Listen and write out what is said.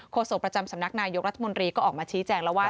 โศกประจำสำนักนายกรัฐมนตรีก็ออกมาชี้แจงแล้วว่า